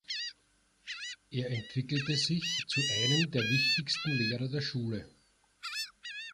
Er entwickelte sich zu einem der wichtigsten Lehrer der Schule.